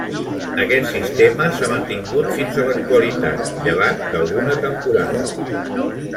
Aquest sistema s'ha mantingut fins a l'actualitat, llevat d'alguna temporada.